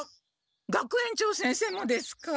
学園長先生もですか？